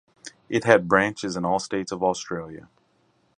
It had branches in all states of Australia.